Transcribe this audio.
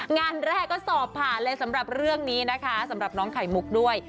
งานแรกก็สอบผ่านเลยสำหรับเรื่องนี้นะคะสำหรับน้องไข่มุกด้วย